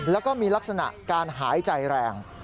แล้วก็มีลักษณะการหายใจแรง